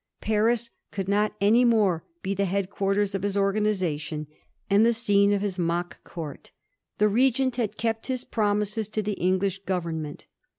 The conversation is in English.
Paris could not any more be the head quarters of his organisation and the scene of his mock Court. The Regent had kept his promises to the English Government.